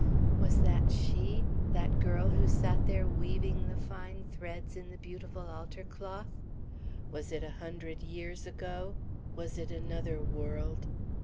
Was that she, that girl who sat there weaving the fine threads in the beautiful altar cloth? Was it a hundred years ago? Was it another world?